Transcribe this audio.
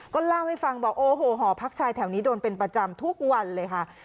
ก็เล่าให้ฟังบอกโอ้โหหอพักชายแถวนี้โดนเป็นประจำทุกวันเลยค่ะ